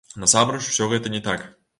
Насамрэч усё гэта не так.